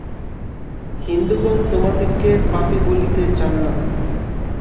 হিন্দুগণ তোমাদিগকে পাপী বলিতে চান না।